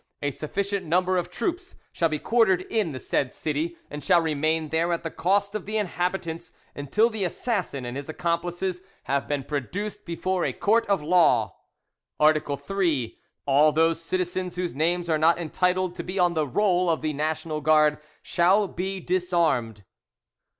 A sufficient number of troops shall be quartered in the said city, and shall remain there at the cost of the inhabitants, until the assassin and his accomplices have been produced before a court of law. "Art. 3. All those citizens whose names are not entitled to be on the roll of the National Guard shall be disarmed.